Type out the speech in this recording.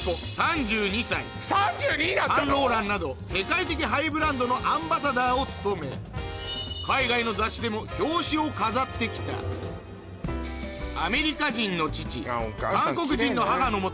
サンローランなど世界的ハイブランドのアンバサダーを務め海外の雑誌でも表紙を飾ってきたアメリカ人の父韓国人の母のもと